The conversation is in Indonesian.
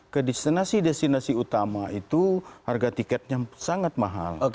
kedistinasi destinasi utama itu harga tiketnya sangat mahal